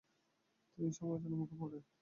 তিনি সমালোচনার মুখে পড়েন।